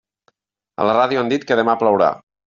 A la ràdio han dit que demà plourà.